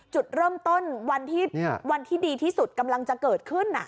จุดเริ่มต้นวันที่ดีที่สุดกำลังจะเกิดขึ้น